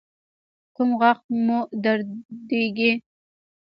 کوم غاښ مو دردیږي؟